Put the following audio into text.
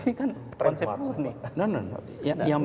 ini kan konsep urni